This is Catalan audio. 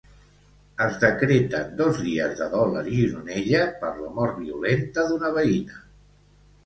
Es decreten dos dies de dol a Gironella per la mort violenta d'una veïna.